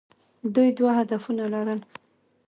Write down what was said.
دوی دوه هدفونه لرل.